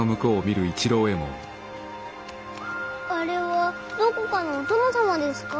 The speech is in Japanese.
あれはどこかのお殿様ですか？